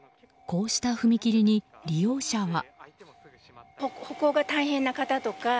こうした踏切に利用者は。